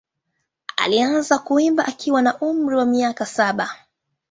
Alianza kuimba akiwa na umri wa miaka saba.